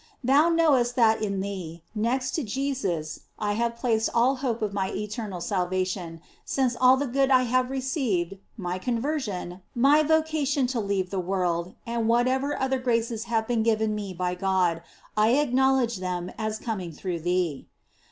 Thou knowest that in thee, next to Jesus, I have placed all hope of my eter nal salvation, since all the good I have receiv ed, my conversion, my vocation to leave the world, and whatever other graces have been given me by God, I acknowledge them all as 11 12 PETITION OP THE AUTHOR. coming through thee.